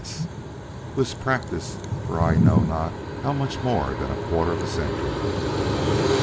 S., who has practised for I know not how much more than a quarter of a century.